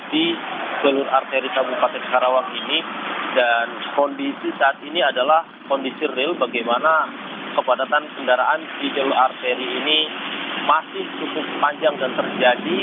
di jalur arteri kabupaten karawang ini dan kondisi saat ini adalah kondisi real bagaimana kepadatan kendaraan di jalur arteri ini masih cukup panjang dan terjadi